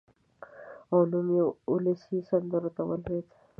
او نوم یې اولسي سندرو ته ولوېد.